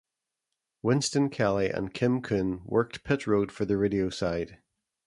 Winston Kelley and Kim Coon worked pit road for the radio side.